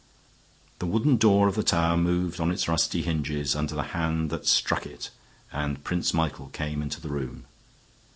The wooden door of the tower moved on its rusty hinges under the hand that struck it and Prince Michael came into the room.